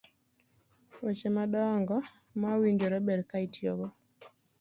weche madongo ma owinjore ber ka otigodo.